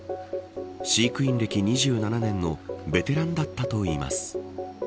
飼育員歴２７年のベテランだったといいます。